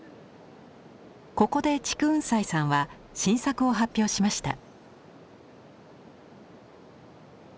ここで竹雲斎さんは新作を発表しました。